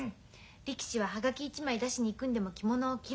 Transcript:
「力士は葉書一枚出しに行くんでも着物を着ろ。